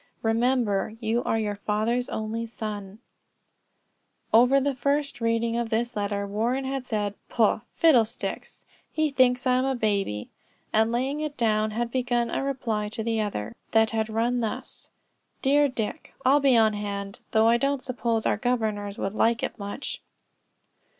Remember you are your father's only son." Over the first reading of this letter, Warren had said, "Poh! Fiddlesticks! He thinks I am a baby," and laying it down had begun a reply to the other, that read thus: "Dear Dick: I'll be on hand, though I don't suppose our governors would like it much."